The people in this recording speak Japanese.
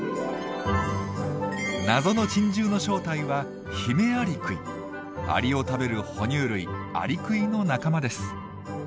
謎の珍獣の正体はアリを食べる哺乳類アリクイの仲間です。